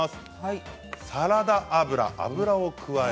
サラダ油。